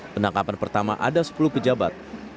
penangkapan pertama ada sepuluh pejabat